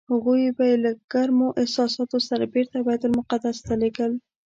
هغوی به یې له ګرمو احساساتو سره بېرته بیت المقدس ته لېږل.